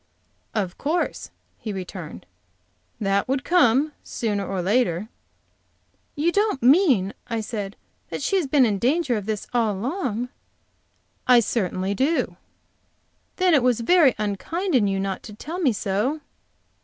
"Of course," he returned, "that would come, sooner or later." "You don't mean," I said, "that she has been in danger of this all along?" "I certainly do." "Then it was very unkind in you not to tell me so."